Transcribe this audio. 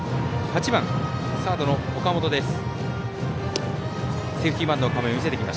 ８番、サードの岡本です。